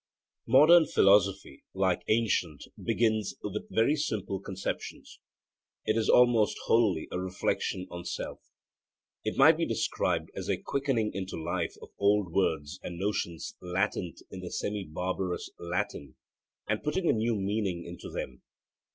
Modern philosophy, like ancient, begins with very simple conceptions. It is almost wholly a reflection on self. It might be described as a quickening into life of old words and notions latent in the semi barbarous Latin, and putting a new meaning into them.